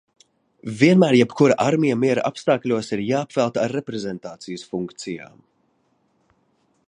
Vienmēr jebkura armija miera apstākļos ir jāapvelta ar reprezentācijas funkcijām.